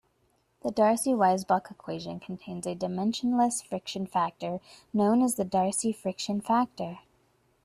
The Darcy-Weisbach equation contains a dimensionless friction factor, known as the Darcy friction factor.